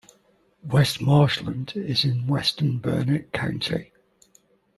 West Marshland is in western Burnett County.